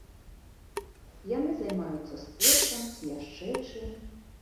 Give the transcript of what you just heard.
Яны займаюцца спортам ці яшчэ чым.